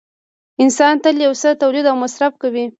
انسان تل یو څه تولید او مصرف کوي